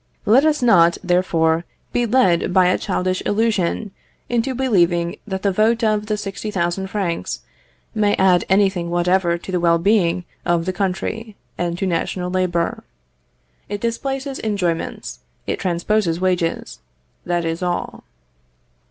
Let us not, therefore, be led by a childish illusion into believing that the vote of the 60,000 francs may add anything whatever to the well being of the country, and to national labour. It displaces enjoyments, it transposes wages that is all.